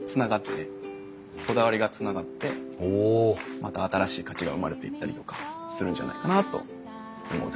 また新しい価値が生まれていったりとかするんじゃないかなと思うところです。